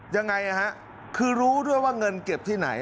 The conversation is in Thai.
ยังไงฮะคือรู้ด้วยว่าเงินเก็บที่ไหน